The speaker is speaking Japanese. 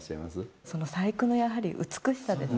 その細工のやはり美しさですね。